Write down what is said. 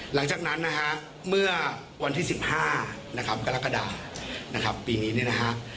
หลังจากนั้นนะฮะเมื่อวันที่๑๕นะครับกรกฎานะครับปีนี้เนี่ยนะฮะ